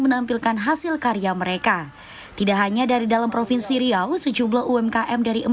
menampilkan hasil karya mereka tidak hanya dari dalam provinsi riau sejumlah umkm dari